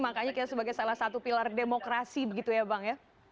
makanya kita sebagai salah satu pilar demokrasi begitu ya bang ya